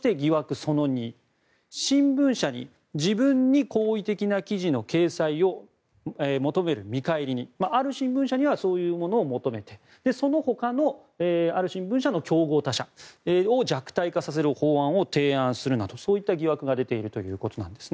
その２新聞社に自分に好意的な記事の掲載を求める見返りにある新聞社にはそういうものを求めてそのほかのある新聞社の競合他社を弱体化させる法案を提案するなど、そういった疑惑が出ているということです。